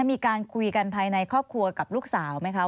มีการคุยกันภายในครอบครัวกับลูกสาวไหมคะ